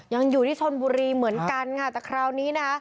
อยู่ที่ชนบุรีเหมือนกันค่ะแต่คราวนี้นะ